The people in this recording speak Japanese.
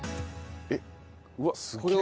えっ？